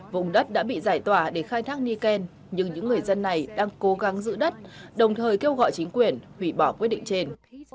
vùng đất đã bị giải tỏa để khai thác niken nhưng những người dân này đang cố gắng giữ đất đồng thời kêu gọi chính quyền hủy bỏ quyết định trên